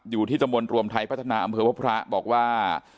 อยู่ที่ตำบลรวมไทยพัฒนาอำเภอพบพระบอกว่า